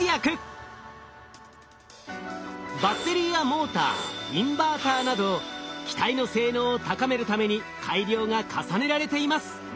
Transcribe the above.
バッテリーやモーターインバーターなど機体の性能を高めるために改良が重ねられています。